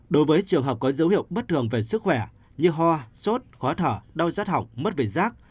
đối với trường hợp có dấu hiệu bất thường về sức khỏe như hoa sốt khó thở đau giác thỏng mất vị giác